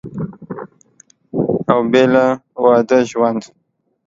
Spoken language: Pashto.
او بېله واده ژوند